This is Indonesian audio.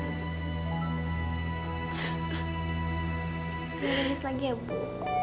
kita nangis lagi ya bu